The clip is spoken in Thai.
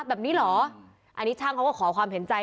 แบบนี้เหรออันนี้ช่างเขาก็ขอความเห็นใจ